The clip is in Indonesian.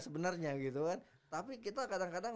sebenarnya gitu kan tapi kita kadang kadang